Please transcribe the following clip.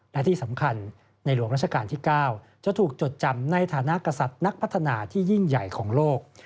และที่สำคัญในหลวงราชการที่๙จะถูกจดจำในฐานะกษัตริย์นักพัฒนาที่ยิ่งใหญ่ของโลก